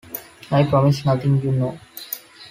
I promise nothing, you know.